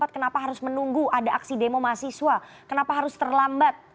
kenapa harus menunggu ada aksi demo mahasiswa kenapa harus terlambat